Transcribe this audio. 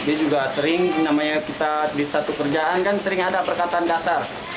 dia juga sering namanya kita di satu kerjaan kan sering ada perkataan kasar